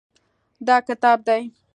دا کتاب دی.